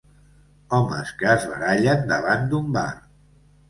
Homes que es barallen davant d'un bar.